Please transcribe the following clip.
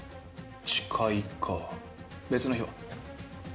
「ちかい」か別の日は？